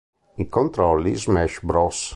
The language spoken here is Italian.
I controlli Smash Bros.